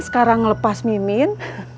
sekarang ngelepas mimin